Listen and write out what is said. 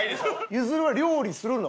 ゆずるは料理するの？